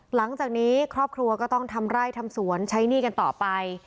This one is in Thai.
หลังจากนี้ครอบครัวก็ต้องทำไร่ทำสวนใช้หนี้กันต่อไป